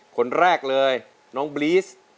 คนแรกเลยน้องบลีส